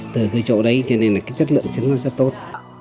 từ cái chỗ đấy cho nên là cái chất lượng trứng nó rất tốt